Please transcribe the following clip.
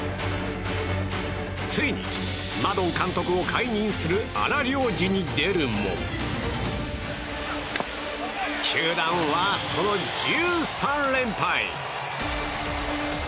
ついにマドン監督を解任する荒療治に出るも球団ワーストの１３連敗。